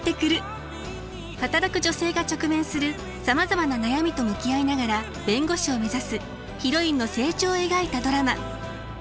働く女性が直面するさまざまな悩みと向き合いながら弁護士を目指すヒロインの成長を描いたドラマ。